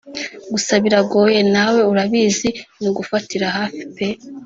Gusa biragoye nawe urabizi nugufatira hafi pe